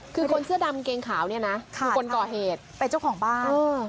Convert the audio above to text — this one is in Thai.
คือคนเสื้อดำเกงขาวเนี่ยนะคือคนก่อเหตุเป็นเจ้าของบ้าน